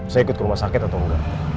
saya ikut ke rumah sakit atau enggak